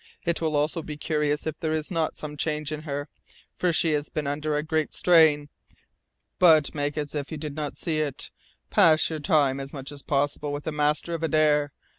It will also be curious if there is not some change in her, for she has been under a great strain. But make as if you did not see it. Pass your time as much as possible with the master of Adare.